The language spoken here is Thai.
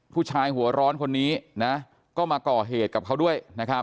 ผู้ชายหัวร้อนคนนี้ก็มาก่อเหตุกับเขาด้วย